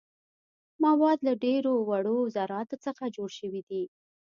مواد له ډیرو وړو ذراتو څخه جوړ شوي دي.